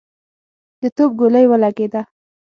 د توپ ګولۍ ولګېده.